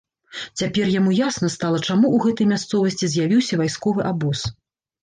Цяпер яму ясна стала, чаму ў гэтай мясцовасці з'явіўся вайсковы абоз.